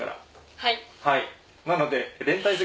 はい。